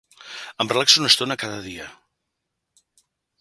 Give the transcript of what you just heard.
Em relaxo una estona cada dia.